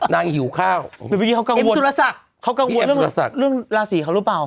นั่งหิวข้าวเดี๋ยวเมื่อกี้เขากังวลเขากังวลเรื่องเรื่องราศรีเขารึเปล่า